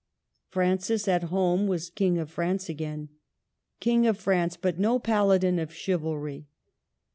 Francis, at home, was King of France again, — King of France, but no paladin of chivalry.